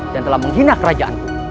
dan telah menghina kerajaanku